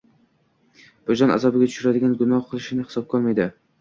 vijdon azobiga tushiradigan gunoh qilishini hisobga olmaydi.